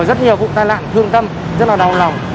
vừa rồi rất nhiều vụ tai nạn thương tâm rất là đau lòng